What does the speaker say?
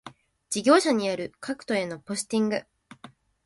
事業者による各戸へのポスティング